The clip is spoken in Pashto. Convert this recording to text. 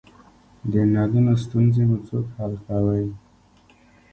د نلونو ستونزې مو څوک حل کوی؟